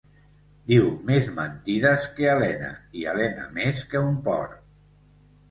Diu més mentides que alena i alena més que un porc.